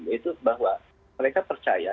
yaitu bahwa mereka percaya